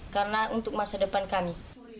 karena untuk masa depan kami